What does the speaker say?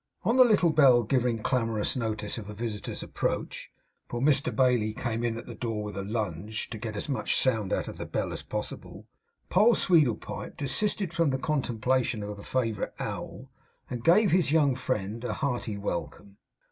On the little bell giving clamorous notice of a visitor's approach (for Mr Bailey came in at the door with a lunge, to get as much sound out of the bell as possible), Poll Sweedlepipe desisted from the contemplation of a favourite owl, and gave his young friend hearty welcome.